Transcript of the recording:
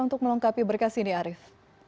untuk melengkapi berkas ini arief